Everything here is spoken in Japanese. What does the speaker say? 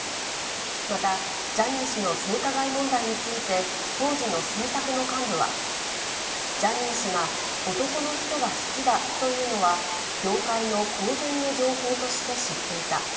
また、ジャニー氏の性加害問題について、当時の制作の幹部は、ジャニー氏が、男の人が好きだというのは、業界の公然の情報として知っていた。